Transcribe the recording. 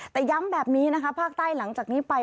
แต่ย้ำแบบนี้นะคะภาคใต้หลังจากนี้ไป